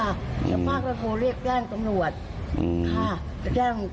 สักพักก็โทรเรียกแจ้งตำหนวดอืมค่ะแจ้ง